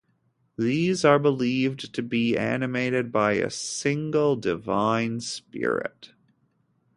These are believed to be animated by a single divine spirit.